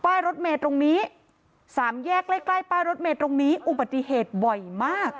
รถเมย์ตรงนี้สามแยกใกล้ใกล้ป้ายรถเมย์ตรงนี้อุบัติเหตุบ่อยมาก